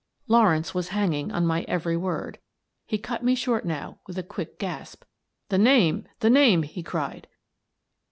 Lawrence was hanging on my every word. He cut me short now with a quick gasp. "The name! The name!" he cried.